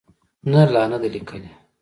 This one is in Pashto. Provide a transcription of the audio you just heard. نه، لا نه ده لیکلې